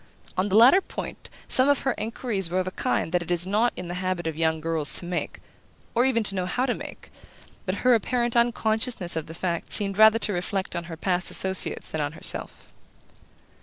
On the latter point some of her enquiries were of a kind that it is not in the habit of young girls to make, or even to know how to make; but her apparent unconsciousness of the fact seemed rather to reflect on her past associates than on herself.